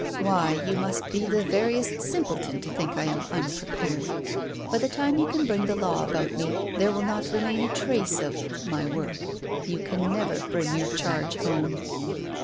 Why, you must be the veriest simpleton to think I am unprepared. By the time you can bring the law about me there will not remain a trace of my work. You can never bring your charge home."